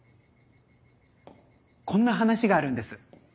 こんな話があるんです。